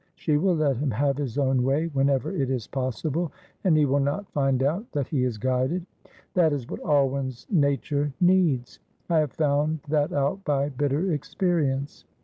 She will let him have his own way whenever it is possible, and he will not find out that he is guided. That is what Alwyn's nature needs. I have found that out by bitter experience."